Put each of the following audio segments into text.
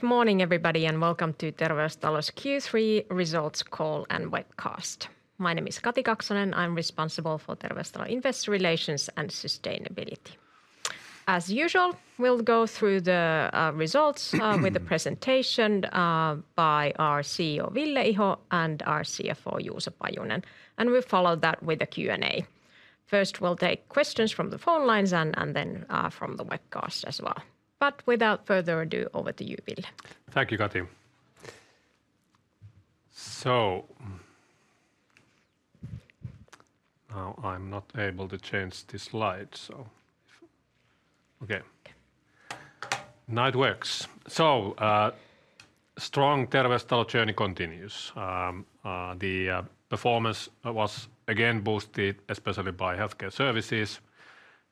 Good morning, everybody, welcome to Terveystalo's Q3 results call and webcast. My name is Kati Kaksonen. I'm responsible for Terveystalo investor relations and sustainability. As usual, we'll go through the results with a presentation by our CEO, Ville Iho, and our CFO, Juuso Pajunen, and we'll follow that with a Q&A. First, we'll take questions from the phone lines and then from the webcast as well. Without further ado, over to you, Ville. Thank you, Kati. Now I'm not able to change the slide. Okay. Now it works. Strong Terveystalo journey continues. The performance was again boosted especially by Healthcare Services,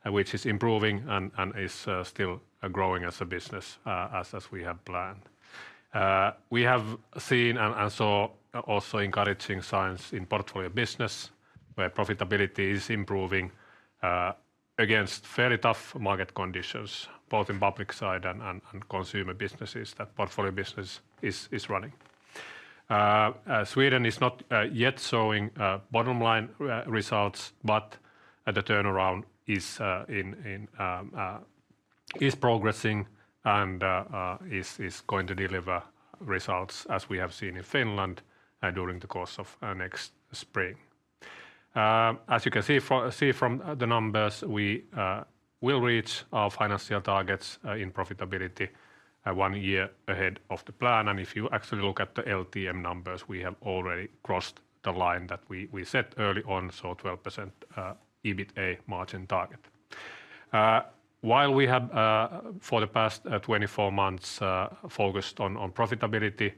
which is improving and is still growing as a business, as we have planned. We have seen and saw also encouraging signs in Portfolio Businesses where profitability is improving against fairly tough market conditions, both in public side and consumer businesses that Portfolio Businesses is running. Sweden is not yet showing bottom line results, the turnaround is progressing and is going to deliver results, as we have seen in Finland, during the course of next spring. As you can see from the numbers, we will reach our financial targets in profitability one year ahead of the plan. If you actually look at the LTM numbers, we have already crossed the line that we set early on, 12% EBITDA margin target. While we have for the past 24 months focused on profitability,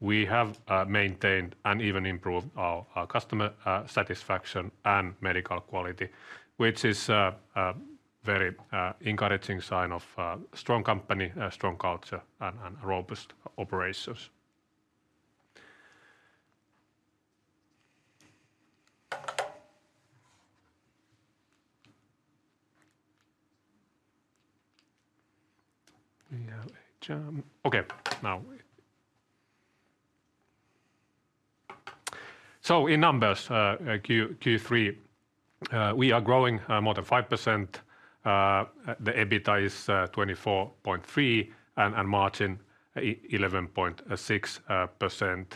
we have maintained and even improved our customer satisfaction and medical quality, which is a very encouraging sign of a strong company, a strong culture, and robust operations. We have a chart. Okay, now. In numbers, Q3, we are growing more than 5%. The EBITDA is 24.3 and margin 11.6%.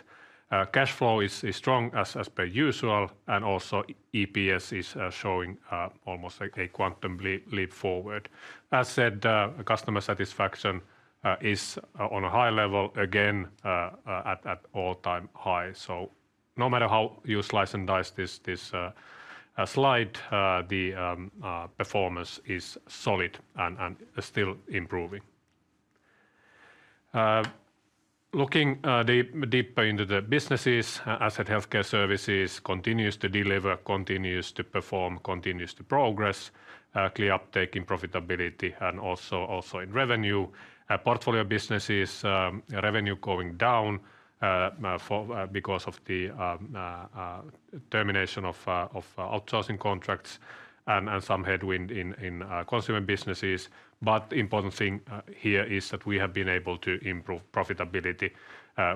Cash flow is strong as per usual, and also EPS is showing almost like a quantum leap forward. As said, customer satisfaction is on a high level again at all-time high. No matter how you slice and dice this slide, the performance is solid and still improving. Looking deeper into the businesses, as said, Healthcare Services continues to deliver, continues to perform, continues to progress, clear uptake in profitability and also in revenue. Portfolio Businesses revenue going down because of the termination of outsourcing contracts and some headwind in consumer businesses. The important thing here is that we have been able to improve profitability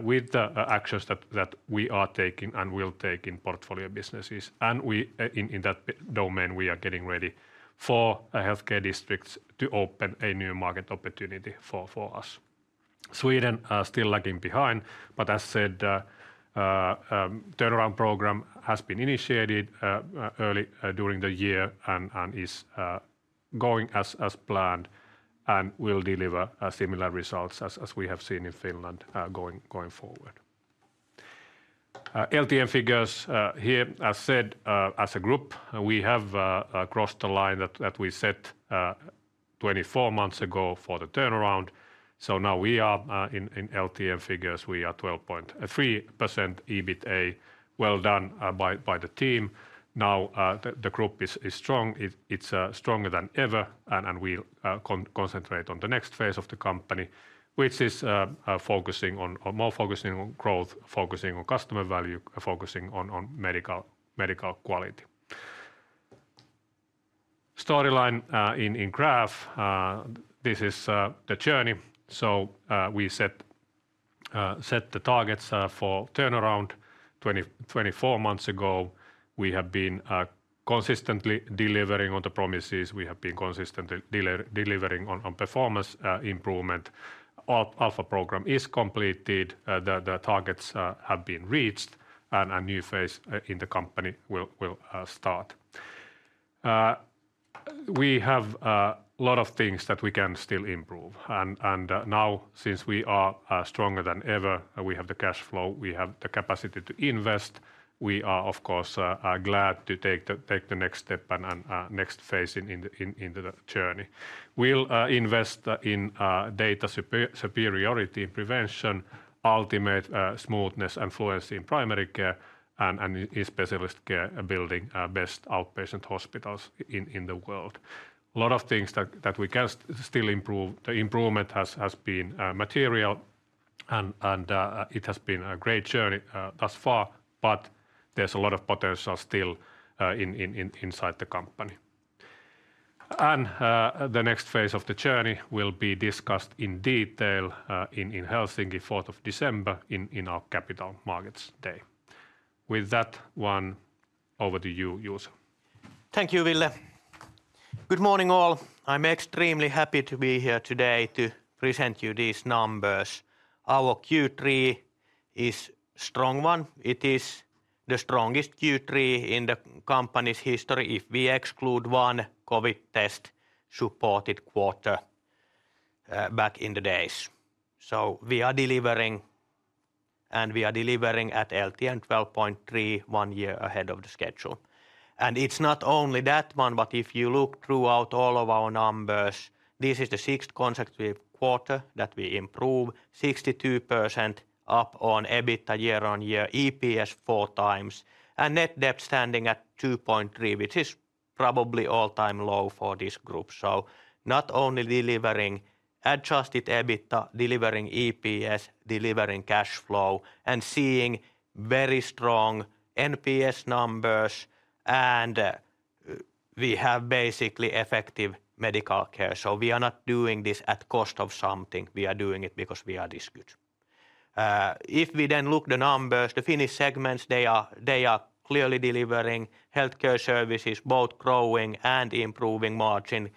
with the actions that we are taking and will take in Portfolio Businesses. In that domain, we are getting ready for healthcare districts to open a new market opportunity for us. Sweden are still lagging behind, as said, turnaround program has been initiated early during the year and is going as planned and will deliver similar results as we have seen in Finland going forward. LTM figures here. As said, as a group, we have crossed the line that we set 24 months ago for the turnaround. Now in LTM figures, we are 12.3% EBITDA. Well done by the team. The group is strong. It's stronger than ever, and we concentrate on the next phase of the company, which is more focusing on growth, focusing on customer value, focusing on medical quality. Storyline in graph. This is the journey. We set the targets for turnaround 24 months ago. We have been consistently delivering on the promises. We have been consistently delivering on performance improvement. Alpha program is completed. The targets have been reached, a new phase in the company will start. We have a lot of things that we can still improve. Now since we are stronger than ever, we have the cash flow, we have the capacity to invest. We are of course glad to take the next step and next phase into the journey. We'll invest in data superiority in prevention, ultimate smoothness and fluency in primary care and in specialist care, building best outpatient hospitals in the world. A lot of things that we can still improve. The improvement has been material and it has been a great journey thus far, but there's a lot of potential still inside the company. The next phase of the journey will be discussed in detail in Helsinki, 4th of December, in our Capital Markets Day. With that one, over to you, Juuso. Thank you, Ville. Good morning, all. I'm extremely happy to be here today to present you these numbers. Our Q3 is strong one. It is the strongest Q3 in the company's history, if we exclude one COVID test-supported quarter back in the days. We are delivering, and we are delivering at LTM 12.3%, one year ahead of the schedule. It's not only that one, but if you look throughout all of our numbers, this is the sixth consecutive quarter that we improve 62% up on EBITDA year-on-year, EPS four times, net debt standing at 2.3, which is probably all-time low for this group. Not only delivering adjusted EBITDA, delivering EPS, delivering cash flow, seeing very strong NPS numbers. We have basically effective medical care. We are not doing this at cost of something. We are doing it because we are this good. If we look the numbers, the Finnish segments, they are clearly delivering Healthcare Services, both growing and improving margin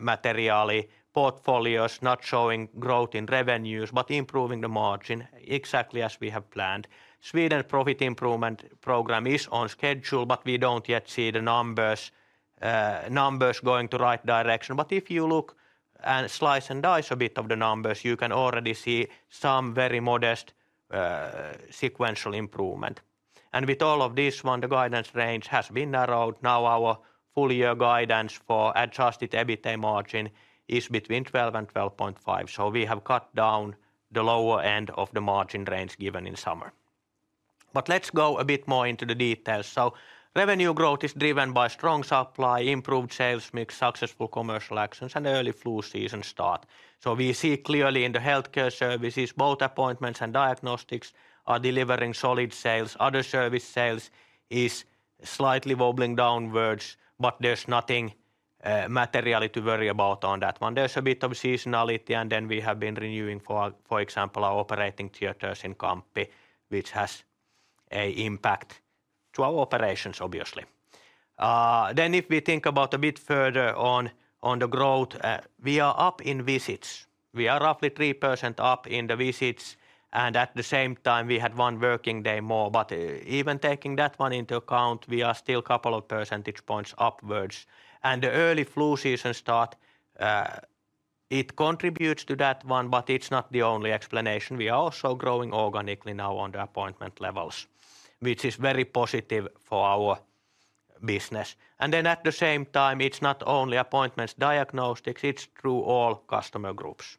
materially. Portfolios not showing growth in revenues, but improving the margin exactly as we have planned. Sweden profit improvement program is on schedule, but we don't yet see the numbers going to right direction. If you look and slice and dice a bit of the numbers, you can already see some very modest sequential improvement. With all of this one, the guidance range has been narrowed. Now our full year guidance for adjusted EBITDA margin is between 12%-12.5%. We have cut down the lower end of the margin range given in summer. Let's go a bit more into the details. Revenue growth is driven by strong supply, improved sales mix, successful commercial actions, and early flu season start. We see clearly in the Healthcare Services, both appointments and diagnostics are delivering solid sales. Other service sales is slightly wobbling downwards, but there's nothing materially to worry about on that one. There's a bit of seasonality, and we have been renewing, for example, our operating theaters in Kamppi, which has an impact to our operations obviously. If we think about a bit further on the growth, we are up in visits. We are roughly 3% up in the visits, and at the same time, we had one working day more. Even taking that one into account, we are still couple of percentage points upwards. The early flu season start, it contributes to that one, but it's not the only explanation. We are also growing organically now on the appointment levels, which is very positive for our business. At the same time, it's not only appointments, diagnostics, it's through all customer groups.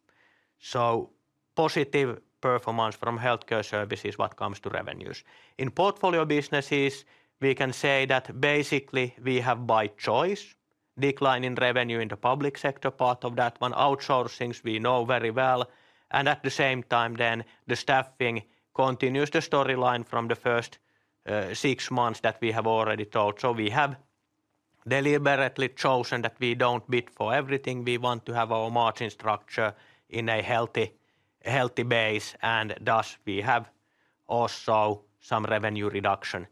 Positive performance from Healthcare Services what comes to revenues. In Portfolio Businesses, we can say that basically we have by choice decline in revenue in the public sector part of that one. Outsourcings, we know very well. The staffing continues the storyline from the first six months that we have already told. We have deliberately chosen that we don't bid for everything. We want to have our margin structure in a healthy base, and thus we have also some revenue reduction.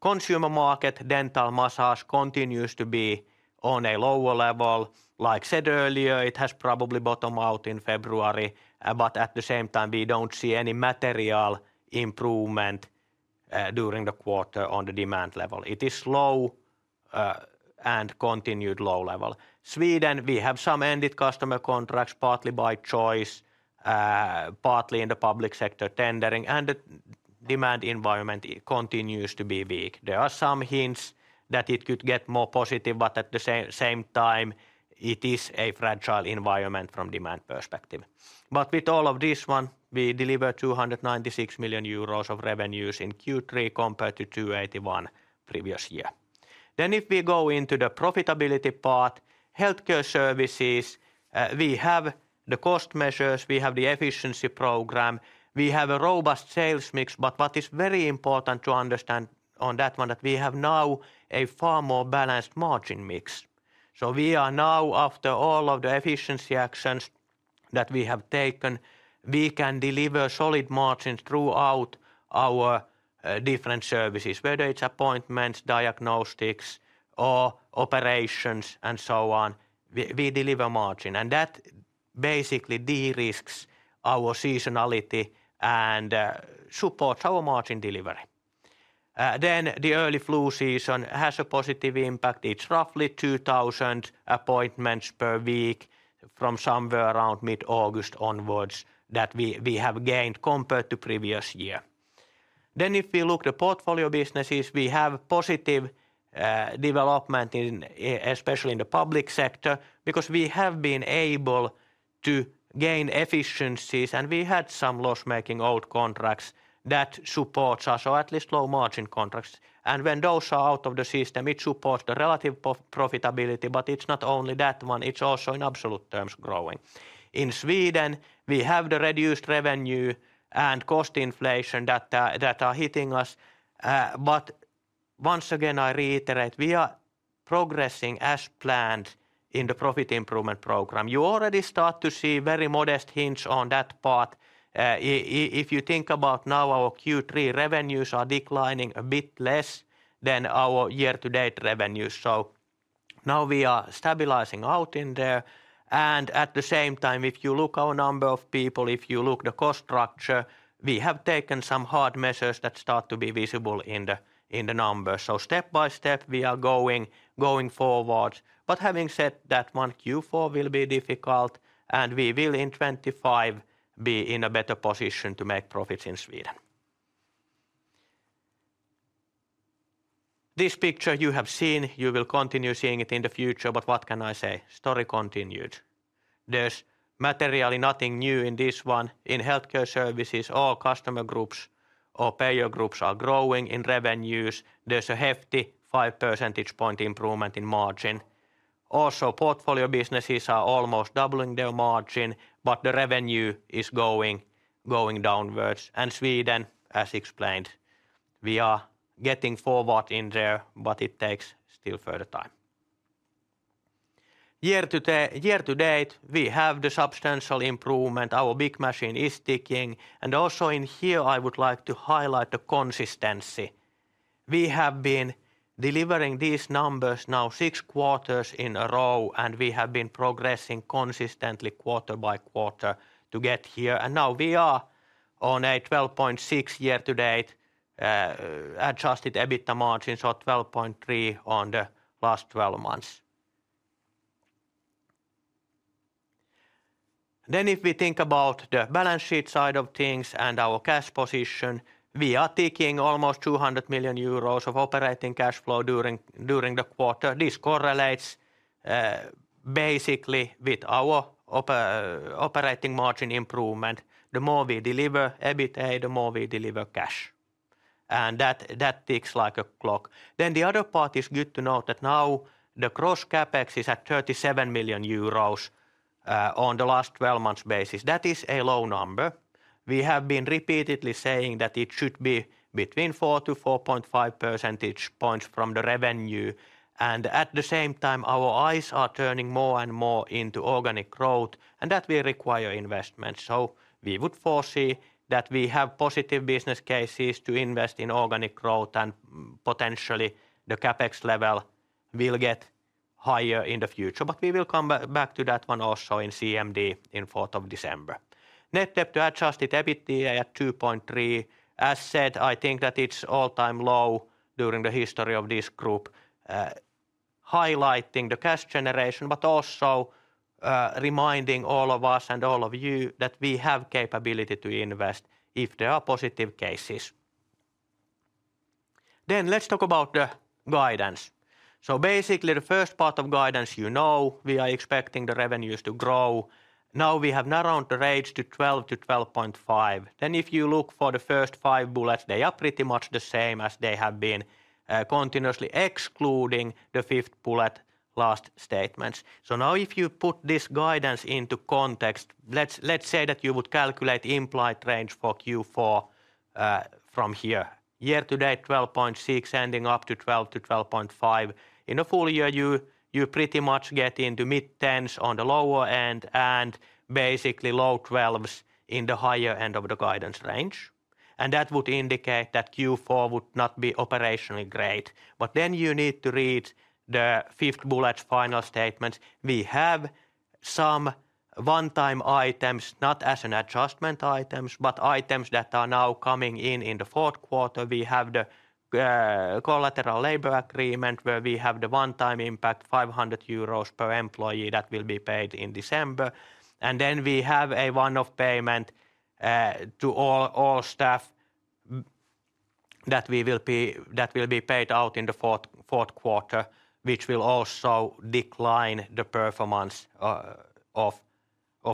Consumer market, dental, massage continues to be on a lower level. Like said earlier, it has probably bottom out in February. At the same time, we don't see any material improvement during the quarter on the demand level. It is low, and continued low level. Sweden, we have some ended customer contracts, partly by choice, partly in the public sector tendering, and the demand environment continues to be weak. There are some hints that it could get more positive, but at the same time, it is a fragile environment from demand perspective. With all of this one, we deliver 296 million euros of revenues in Q3 compared to 281 previous year. If we go into the profitability part, Healthcare Services, we have the cost measures, we have the efficiency program, we have a robust sales mix. What is very important to understand on that one, that we have now a far more balanced margin mix. We are now, after all of the efficiency actions that we have taken, we can deliver solid margins throughout our different services, whether it's appointments, diagnostics, or operations and so on. We deliver margin, and that basically de-risks our seasonality and supports our margin delivery. The early flu season has a positive impact. It's roughly 2,000 appointments per week from somewhere around mid-August onwards that we have gained compared to previous year. If we look the Portfolio Businesses, we have positive development especially in the public sector because we have been able to gain efficiencies, and we had some loss-making old contracts that supports us, or at least low margin contracts. When those are out of the system, it supports the relative profitability, but it's not only that one, it's also in absolute terms growing. In Sweden, we have the reduced revenue and cost inflation that are hitting us. Once again, I reiterate we are progressing as planned in the profit improvement program. You already start to see very modest hints on that part. If you think about now our Q3 revenues are declining a bit less than our year-to-date revenues. Now we are stabilizing out in there, and at the same time, if you look our number of people, if you look the cost structure, we have taken some hard measures that start to be visible in the numbers. Step by step we are going forward. Having said that one, Q4 will be difficult and we will in 2025 be in a better position to make profits in Sweden. This picture you have seen, you will continue seeing it in the future. What can I say? Story continued. There is materially nothing new in this one. In Healthcare Services, all customer groups or payer groups are growing in revenues. There is a hefty 5 percentage point improvement in margin. Portfolio Businesses are almost doubling their margin, the revenue is going downwards. Sweden, as explained, we are getting forward in there, it takes still further time. Year-to-date, we have the substantial improvement. Our big machine is ticking. Also in here I would like to highlight the consistency. We have been delivering these numbers now 6 quarters in a row, we have been progressing consistently quarter by quarter to get here. Now we are on a 12.6% year-to-date adjusted EBITDA margin. 12.3% on the last 12 months. If we think about the balance sheet side of things and our cash position, we are ticking almost 200 million euros of operating cash flow during the quarter. This correlates basically with our operating margin improvement. The more we deliver EBITDA, the more we deliver cash. That ticks like a clock. The other part is good to note that now the gross CapEx is at 37 million euros on the last 12 months basis. That is a low number. We have been repeatedly saying that it should be between 4-4.5 percentage points from the revenue. At the same time, our eyes are turning more and more into organic growth that will require investment. We would foresee that we have positive business cases to invest in organic growth and potentially the CapEx level will get higher in the future. We will come back to that one also in CMD in 4th of December. Net debt to adjusted EBITDA at 2.3. As said, I think that it is all-time low during the history of this group. Highlighting the cash generation reminding all of us and all of you that we have capability to invest if there are positive cases. Let us talk about the guidance. Basically the first part of guidance, you know we are expecting the revenues to grow. Now we have narrowed the rates to 12%-12.5%. If you look for the first 5 bullets, they are pretty much the same as they have been continuously, excluding the fifth bullet last statements. Now if you put this guidance into context, let us say that you would calculate implied range for Q4 from here. Year-to-date 12.6% ending up to 12%-12.5%. In a full year, you pretty much get into mid-10s on the lower end and basically low 12s in the higher end of the guidance range. That would indicate that Q4 would not be operationally great. You need to read the fifth bullet final statement. We have some one-time items, not as an adjustment items, but items that are now coming in the fourth quarter. We have the collective labor agreement where we have the one-time impact 500 euros per employee that will be paid in December. We have a one-off payment to all staff that will be paid out in the fourth quarter, which will also decline the performance of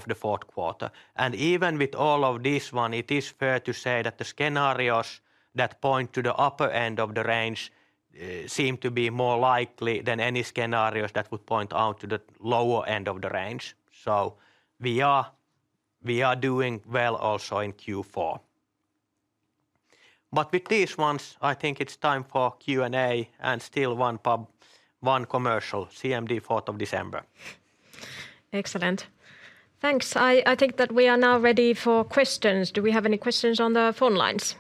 the fourth quarter. Even with all of this one, it is fair to say that the scenarios that point to the upper end of the range seem to be more likely than any scenarios that would point out to the lower end of the range. We are doing well also in Q4. With these ones, I think it's time for Q&A and still one commercial, CMD 4th of December. Excellent. Thanks. I think that we are now ready for questions. Do we have any questions on the phone lines?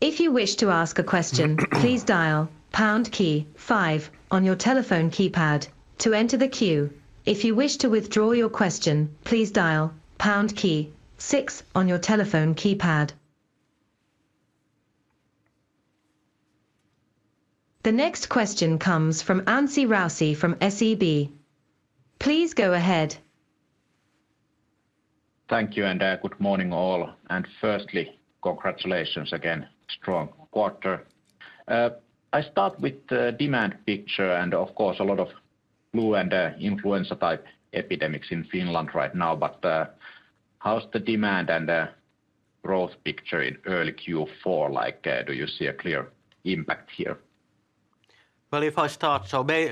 If you wish to ask a question, please dial pound key 5 on your telephone keypad to enter the queue. If you wish to withdraw your question, please dial pound key 6 on your telephone keypad. The next question comes from Anssi Rautiainen from SEB. Please go ahead. Good morning all. Firstly, congratulations again. Strong quarter. I start with the demand picture and of course a lot of flu and influenza type epidemics in Finland right now. How's the demand and the growth picture in early Q4? Do you see a clear impact here? Well, if I start,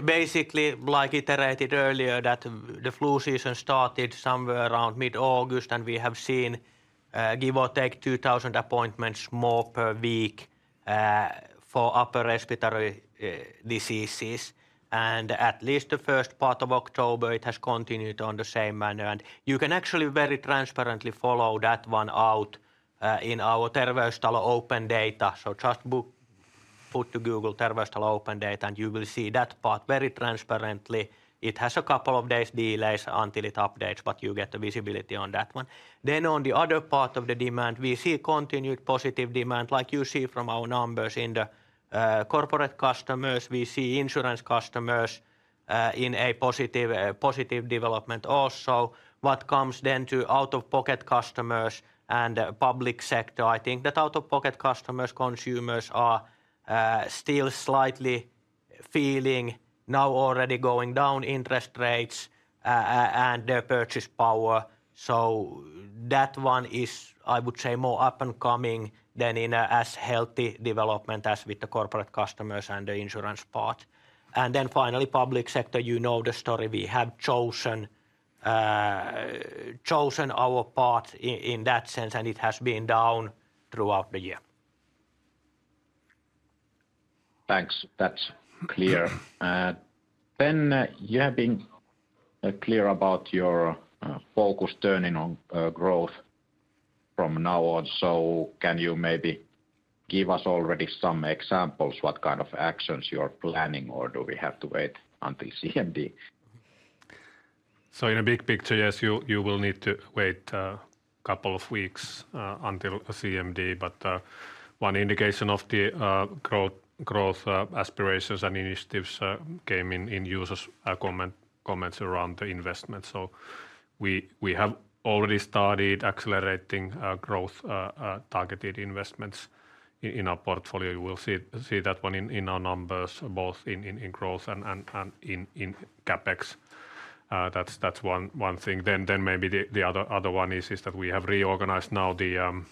basically, like iterated earlier, that the flu season started somewhere around mid-August, and we have seen, give or take 2,000 appointments more per week for upper respiratory diseases. At least the first part of October, it has continued on the same manner. You can actually very transparently follow that one out in our Terveystalo open data. Just put to Google Terveystalo open data, and you will see that part very transparently. It has a couple of days delays until it updates, but you get the visibility on that one. On the other part of the demand, we see continued positive demand like you see from our numbers in the corporate customers. We see insurance customers in a positive development also. What comes then to out-of-pocket customers and public sector, I think that out-of-pocket customers, consumers are still slightly feeling now already going down interest rates and their purchase power. That one is, I would say, more up and coming than in as healthy development as with the corporate customers and the insurance part. Then finally, public sector, you know the story. We have chosen our path in that sense, and it has been down throughout the year. Thanks. That's clear. You have been clear about your focus turning on growth from now on, can you maybe give us already some examples what kind of actions you are planning, or do we have to wait until CMD? In a big picture, yes, you will need to wait a couple of weeks until CMD. One indication of the growth aspirations and initiatives came in Juuso's comments around the investment. We have already started accelerating growth-targeted investments in our Portfolio Businesses. You will see that one in our numbers, both in growth and in CapEx. That's one thing. Maybe the other one is that we have reorganized now the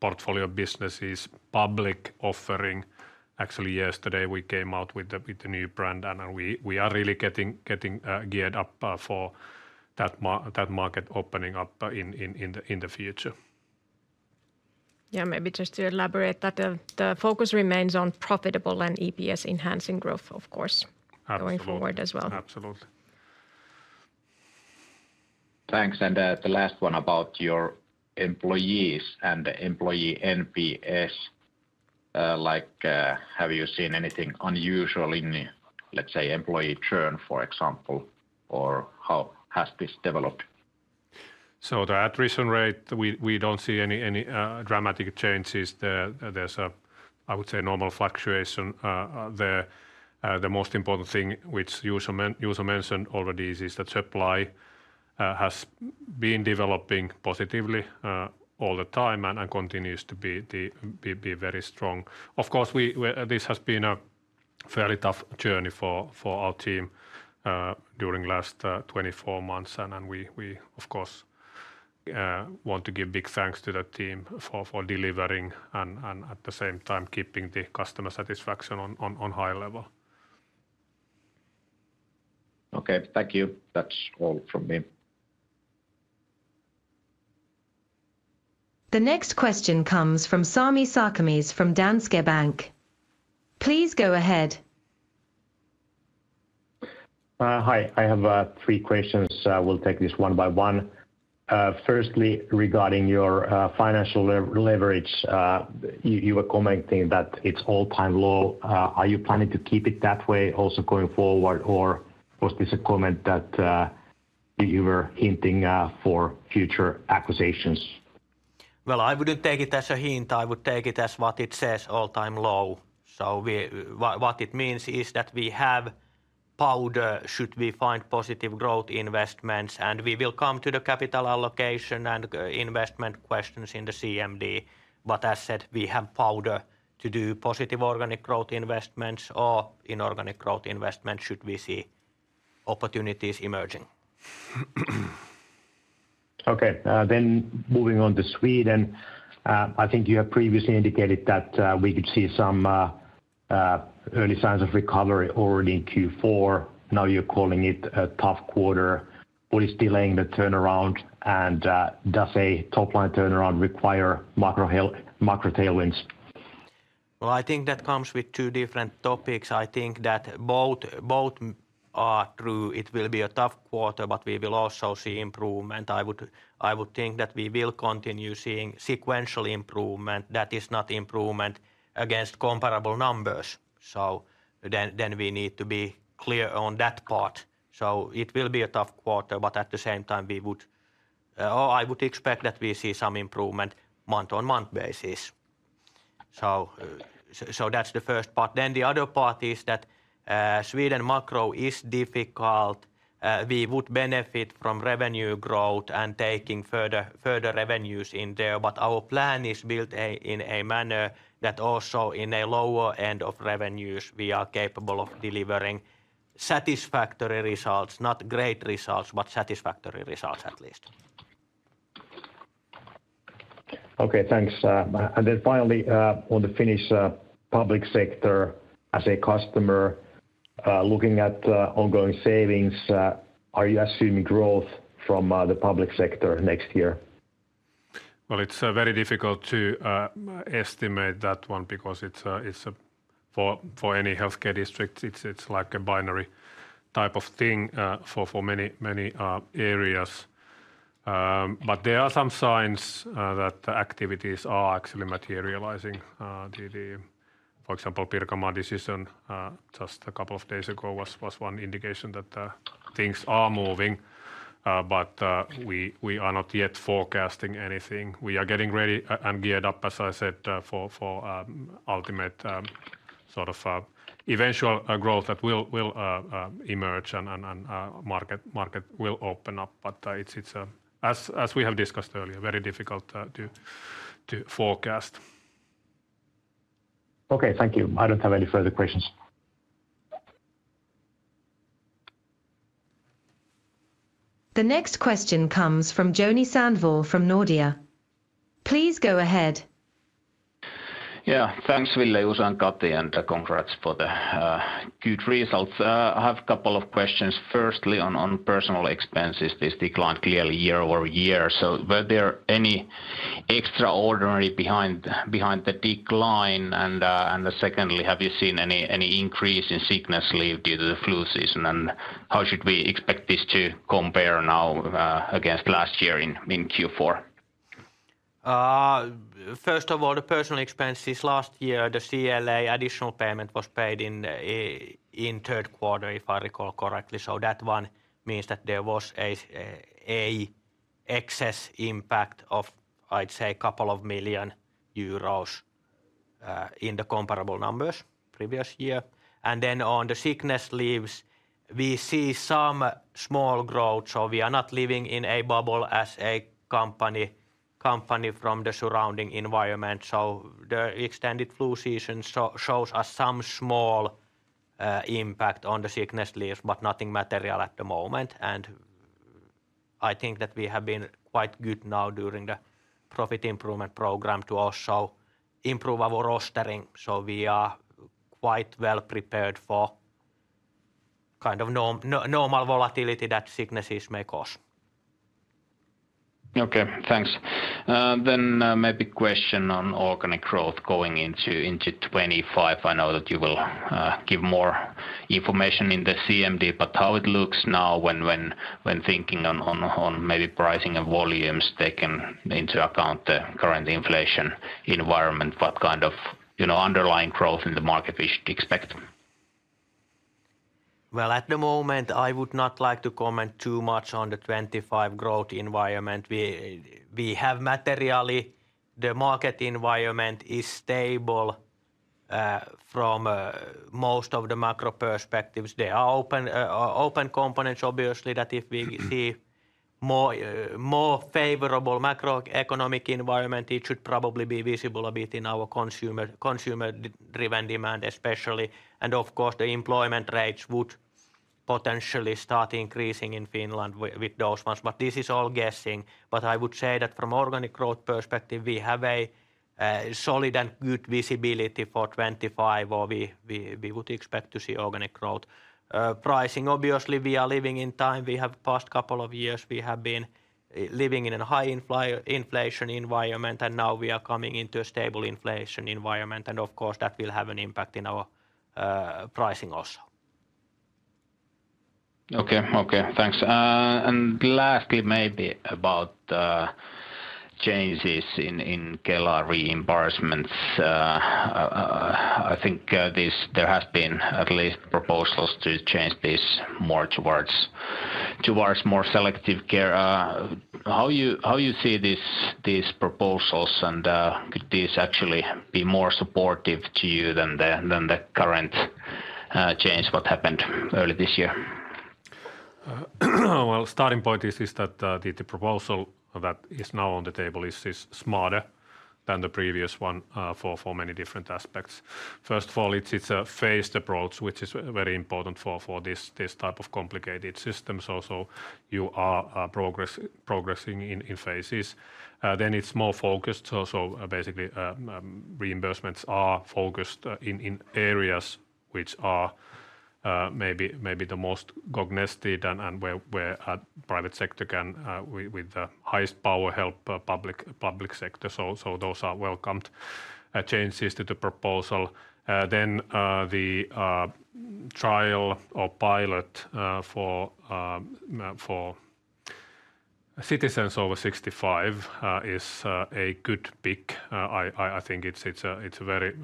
Portfolio Businesses public offering. Actually, yesterday we came out with the new brand, and we are really getting geared up for that market opening up in the future. Maybe just to elaborate that the focus remains on profitable and EPS-enhancing growth, of course. Absolutely going forward as well. Absolutely. Thanks. The last one about your employees and the employee NPS. Have you seen anything unusual in, let's say, employee churn, for example, or how has this developed? The attrition rate, we don't see any dramatic changes there. There's a, I would say, normal fluctuation there. The most important thing, which Juuso mentioned already, is that supply has been developing positively all the time and continues to be very strong. Of course, this has been a fairly tough journey for our team during last 24 months, and we of course want to give big thanks to the team for delivering and at the same time keeping the customer satisfaction on high level. Okay. Thank you. That's all from me. The next question comes from Sami Sarkamies from Danske Bank. Please go ahead. Hi. I have three questions. We'll take this one by one. Firstly, regarding your financial leverage, you were commenting that it's all-time low. Are you planning to keep it that way also going forward, or was this a comment that you were hinting for future acquisitions? I wouldn't take it as a hint. I would take it as what it says, all-time low. What it means is that we have powder should we find positive growth investments, and we will come to the capital allocation and investment questions in the CMD. As said, we have powder to do positive organic growth investments or inorganic growth investment should we see opportunities emerging. Okay. Moving on to Sweden. I think you have previously indicated that we could see some early signs of recovery already in Q4. Now you're calling it a tough quarter. What is delaying the turnaround, and does a top-line turnaround require macro tailwinds? I think that comes with two different topics. I think that both are true. It will be a tough quarter, but we will also see improvement. I would think that we will continue seeing sequential improvement. That is not improvement against comparable numbers. We need to be clear on that part. It will be a tough quarter, but at the same time I would expect that we see some improvement month-on-month basis. That's the first part. The other part is that Sweden macro is difficult. We would benefit from revenue growth and taking further revenues in there, but our plan is built in a manner that also in a lower end of revenues, we are capable of delivering satisfactory results, not great results, but satisfactory results at least. Okay, thanks. Finally, on the Finnish public sector as a customer, looking at ongoing savings, are you assuming growth from the public sector next year? Well, it's very difficult to estimate that one because for any healthcare district, it's like a binary type of thing for many areas. There are some signs that the activities are actually materializing. For example, the Pirkanmaa decision just a couple of days ago was one indication that things are moving. We are not yet forecasting anything. We are getting ready and geared up, as I said, for ultimate eventual growth that will emerge and market will open up. It's, as we have discussed earlier, very difficult to forecast. Okay, thank you. I don't have any further questions. The next question comes from Joni Sandvall from Nordea. Please go ahead. Thanks, Ville, Juuso, and Kati, and congrats for the good results. I have a couple of questions. Firstly, on personal expenses, this decline clearly year-over-year. Were there any extraordinary behind the decline? Secondly, have you seen any increase in sickness leave due to the flu season? How should we expect this to compare now against last year in Q4? First of all, the personal expenses last year, the CLA additional payment was paid in third quarter, if I recall correctly. That one means that there was an excess impact of, I'd say, a couple of million EUR in the comparable numbers previous year. On the sickness leaves, we see some small growth. We are not living in a bubble as a company from the surrounding environment. The extended flu season shows us some small impact on the sickness leaves, but nothing material at the moment. I think that we have been quite good now during the profit improvement program to also improve our rostering. We are quite well prepared for normal volatility that sicknesses may cause. Okay, thanks. Maybe a question on organic growth going into 2025. I know that you will give more information in the CMD, how it looks now when thinking on maybe pricing and volumes taken into account the current inflation environment, what kind of underlying growth in the market we should expect? Well, at the moment, I would not like to comment too much on the 2025 growth environment. The market environment is stable from most of the macro perspectives. There are open components, obviously, that if we see more favorable macroeconomic environment, it should probably be visible a bit in our consumer-driven demand, especially. Of course, the employment rates would potentially start increasing in Finland with those ones. This is all guessing. I would say that from organic growth perspective, we have a solid and good visibility for 2025, or we would expect to see organic growth. Pricing, obviously, we are living in time. Past couple of years, we have been living in a high inflation environment, and now we are coming into a stable inflation environment. Of course, that will have an impact in our pricing also. Okay. Thanks. Lastly, maybe about changes in Kela reimbursements. I think there has been at least proposals to change this towards more selective care. How you see these proposals, and could this actually be more supportive to you than the current change, what happened early this year? Starting point is that the proposal that is now on the table is smarter than the previous one for many different aspects. It's a phased approach, which is very important for this type of complicated systems also. You are progressing in phases. It's more focused also. Basically, reimbursements are focused in areas which are maybe the most cognated and where private sector can, with the highest power, help public sector. Those are welcomed changes to the proposal. The trial or pilot for citizens over 65 is a good pick. I think it's a very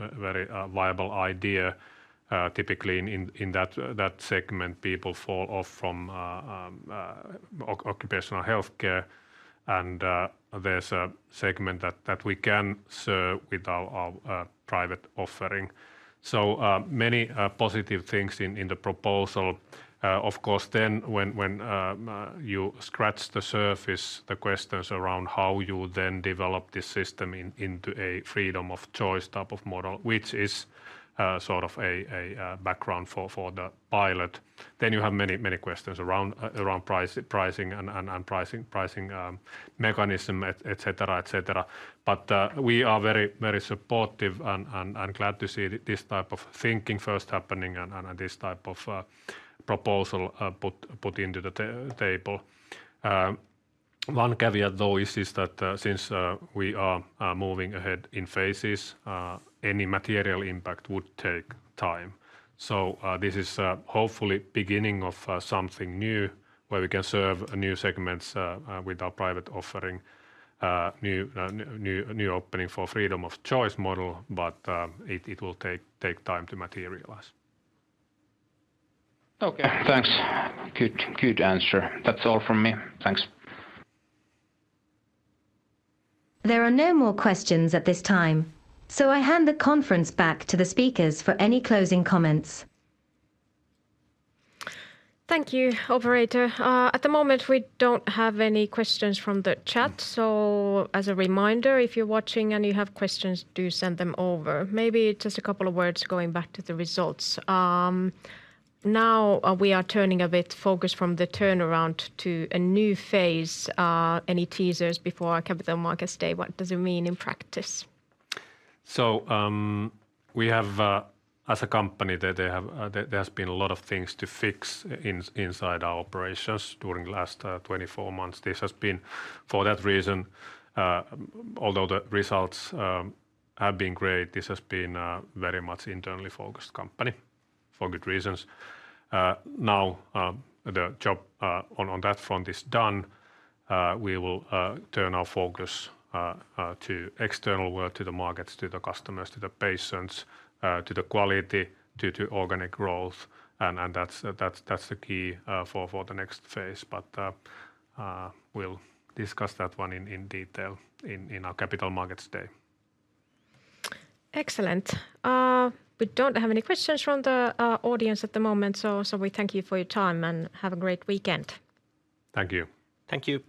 viable idea. Typically, in that segment, people fall off from occupational healthcare, and there's a segment that we can serve with our private offering. Many positive things in the proposal. When you scratch the surface, the questions around how you then develop this system into a freedom of choice type of model, which is sort of a background for the pilot. You have many questions around pricing and pricing mechanism, et cetera. We are very supportive and glad to see this type of thinking first happening and this type of proposal put into the table. One caveat though is that since we are moving ahead in phases, any material impact would take time. This is hopefully beginning of something new where we can serve new segments with our private offering, new opening for freedom of choice model. It will take time to materialize. Thanks. Good answer. That's all from me. Thanks. There are no more questions at this time, I hand the conference back to the speakers for any closing comments. Thank you, operator. At the moment, we don't have any questions from the chat. As a reminder, if you're watching and you have questions, do send them over. Maybe just a couple of words going back to the results. We are turning a bit focus from the turnaround to a new phase. Any teasers before our Capital Markets Day? What does it mean in practice? As a company, there has been a lot of things to fix inside our operations during last 24 months. For that reason, although the results have been great, this has been a very much internally focused company for good reasons. The job on that front is done. We will turn our focus to external work, to the markets, to the customers, to the patients, to the quality, to organic growth. That's the key for the next phase. We'll discuss that one in detail in our Capital Markets Day. Excellent. We don't have any questions from the audience at the moment. We thank you for your time and have a great weekend. Thank you. Thank you.